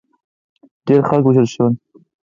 ډېر خلک ووژل شول.